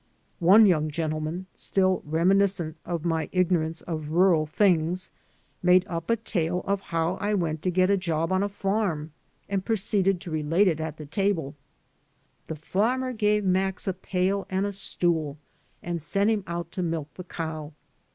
One young gentleman, still reminiscent of my ignorance of rural things, made up a tale of how I went to get a job 937 1 I \ AN AMERICAN IN THE MAKING on a farm, and proceeded to relate it at the table. '^The farmer gave Max a pail and a stool and sent him out to milk the cow.